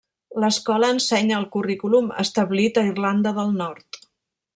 L'escola ensenya el currículum establit a Irlanda del Nord.